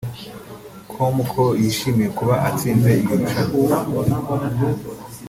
com ko yishimiye kuba atsinze iryo rushanwa